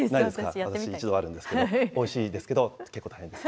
私一度あるんですけど、おいしいですけど、結構大変です。